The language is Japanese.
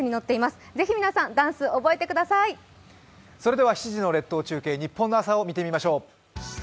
それでは７時の列島中継、日本の朝を見てみましょう。